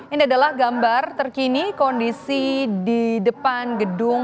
ini adalah gambar terkini kondisi di depan gedung